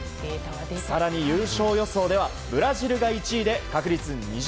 更に、優勝予想ではブラジルが１位で確率２０％。